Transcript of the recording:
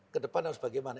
kedepan harus bagaimana